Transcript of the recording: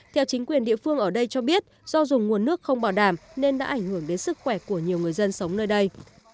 theo chính quyền địa phương ở đây cho biết do dùng nguồn nước không bảo đảm nên đã ảnh hưởng đến sức khỏe của nhiều người dân sống nơi đây